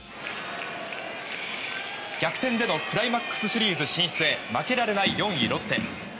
逆転でのクライマックスシリーズ進出へ負けられない４位、ロッテ。